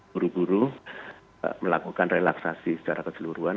buru buru melakukan relaksasi secara keseluruhan